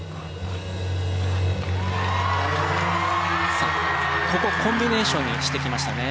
さあここコンビネーションにしてきましたね。